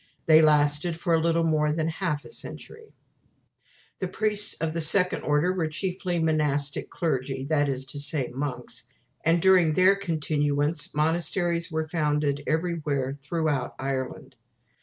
They lasted for a little more than half a century. The priests of this Second Order were chiefly monastic clergy that is to say, monks and during their continuance monasteries were founded everywhere through Ireland.